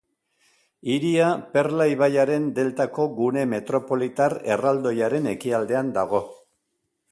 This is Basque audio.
Hiria Perla ibaiaren deltako gune metropolitar erraldoiaren ekialdean dago.